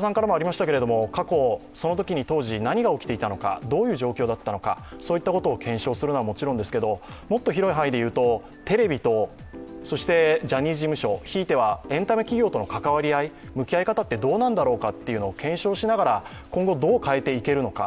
過去そのときに当時何が起きていたのかどういう状況だったのかそういうことを検証するのはもちろんですけれども、もっと広い範囲でいうと、テレビとジャニーズ事務所、ひいてはエンタメ企業との関わり合い、向き合い方ってどうなんだろうかというのを検証しながら、今後どう変えていけるのか。